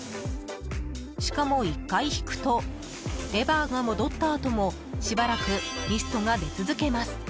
しかも、１回引くとレバーが戻ったあともしばらくミストが出続けます。